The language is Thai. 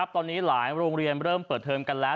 ตอนนี้หลายโรงเรียนเริ่มเปิดเทอมกันแล้ว